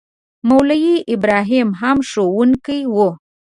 مولوي ابراهیم هم ښوونکی وو.